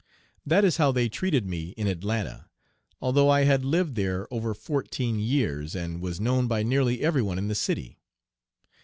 That is how they treated me in Atlanta, although I had lived there over fourteen years, and was known by nearly every one in the city.